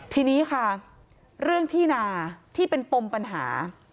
ทีนี้ค่ะเรื่องที่นาที่เป็นปมปัญหา